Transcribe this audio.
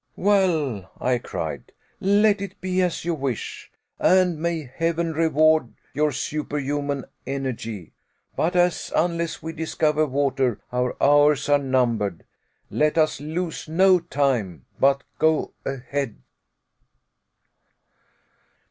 "Well," I cried, "let it be as you wish, and may heaven reward your superhuman energy. But as, unless we discover water, our hours are numbered, let us lose no time, but go ahead."